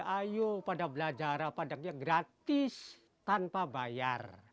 ayo pada belajar pada gratis tanpa bayar